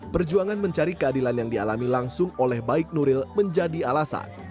perjuangan mencari keadilan yang dialami langsung oleh baik nuril menjadi alasan